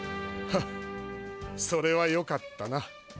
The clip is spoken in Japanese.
フッそれはよかったな。